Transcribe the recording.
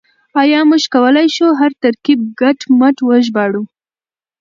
آيا موږ کولای شو هر ترکيب کټ مټ وژباړو؟